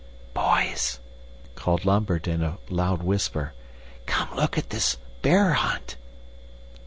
"Boys!" called Lambert in a loud whisper, "come look at this 'Bear Hunt.